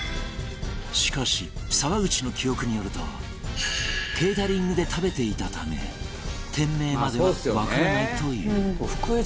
しかし沢口の記憶によるとケータリングで食べていたため店名まではわからないという